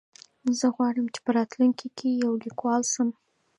زه غواړم چې په راتلونکي کې یو لیکوال شم.